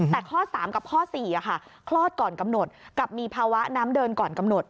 แต่ข้อ๓กับข้อ๔คลอดก่อนกำหนดกับมีภาวะน้ำเดินก่อนกำหนด